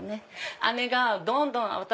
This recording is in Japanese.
姉がどんどん。